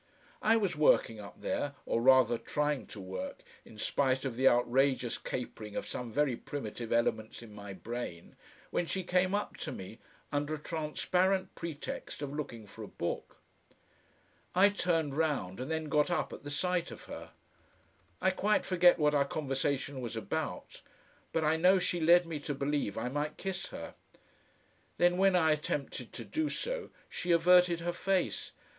I was working up there, or rather trying to work in spite of the outrageous capering of some very primitive elements in my brain, when she came up to me, under a transparent pretext of looking for a book. I turned round and then got up at the sight of her. I quite forget what our conversation was about, but I know she led me to believe I might kiss her. Then when I attempted to do so she averted her face.